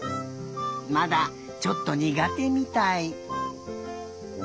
まだちょっとにがてみたい。